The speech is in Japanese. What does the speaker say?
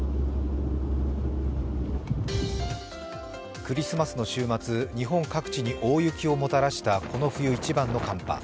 クリスマスの週末、日本各地に大雪をもたらしたこの冬一番の寒波。